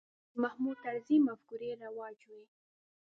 د محمود طرزي مفکورې رواج وې.